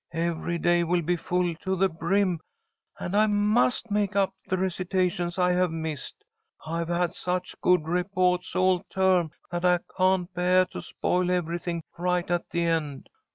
Every day will be full to the brim. And I must make up the recitations I have missed. I've had such good repoah'ts all term that I can't beah to spoil everything right at the end.